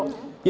ketua komisi a